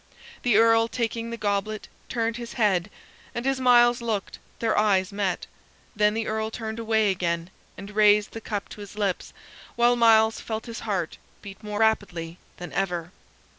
The Earl, taking the goblet, turned his head, and as Myles looked, their eyes met. Then the Earl turned away again and raised the cup to his lips, while Myles felt his heart beat more rapidly than ever.